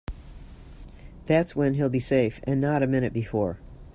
That's when he'll be safe and not a minute before.